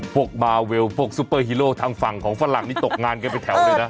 พวกมาเวลพวกซุปเปอร์ฮีโร่ทางฝั่งของฝรั่งนี่ตกงานกันไปแถวเลยนะ